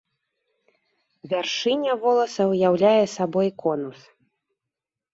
Вяршыня воласа ўяўляе сабой конус.